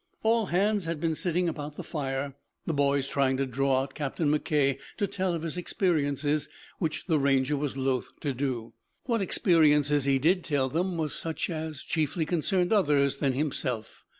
All hands had been sitting about the fire, the boys trying to draw out Captain McKay to tell of his experiences, which the Ranger was loth to do. What experiences he did tell them were such as chiefly concerned others than himself.